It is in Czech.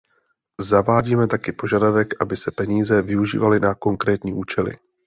Zavádíme také požadavek, aby se peníze využívaly na konkrétní účely.